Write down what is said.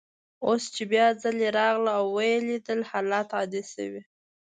اوس چي بیا ځلې راغله او ویې لیدل، حالات عادي شوي.